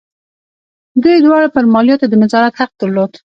دوی دواړو پر مالیاتو د نظارت حق درلود.